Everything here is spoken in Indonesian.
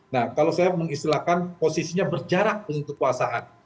nah kalau saya mengistilahkan posisinya berjarak dengan kekuasaan